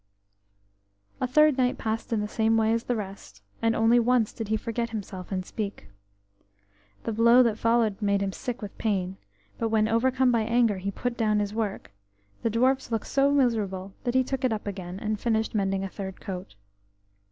THIRD night passed in the same way as the rest, and only once did he forget himself and speak. The blow that followed made him sick with pain, but when, overcome by anger, he put down his work, the dwarfs looked so miserable that he took it up again, and finished mending a third coat.